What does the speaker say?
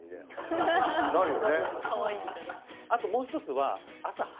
あともう一つは。